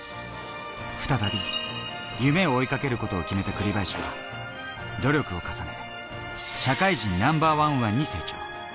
再び夢を追いかけることを決めた栗林は、努力を重ね、社会人ナンバーワン右腕に成長。